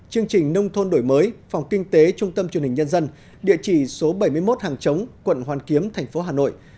chương trình nông thôn đổi mới phòng kinh tế trung tâm truyền hình nhân dân địa chỉ số bảy mươi một hàng chống quận hoàn kiếm thành phố hà nội